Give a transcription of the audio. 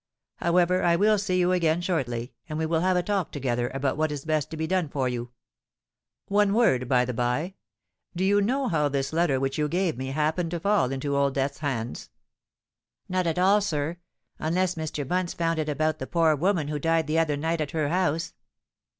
However, I will see you again shortly—and we will have a talk together about what is best to be done for you. One word, by the bye—do you know how this letter which you gave me, happened to fall into Old Death's hands?" "Not all, sir—unless Mrs. Bunce found it about the poor woman who died the other night at her house."